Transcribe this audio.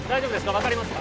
分かりますか？